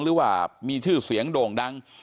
หรือว่ามีชื่อเสียงโด่งดัง